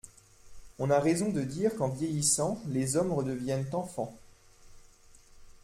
On a raison de dire qu'en vieillissant les hommes redeviennent enfants.